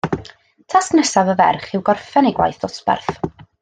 Tasg nesaf y ferch yw gorffen ei gwaith dosbarth